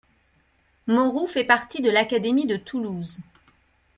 Mauroux fait partie de l'académie de Toulouse.